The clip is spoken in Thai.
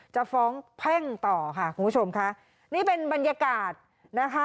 จะฟ้องแพ่งต่อค่ะคุณผู้ชมค่ะนี่เป็นบรรยากาศนะคะ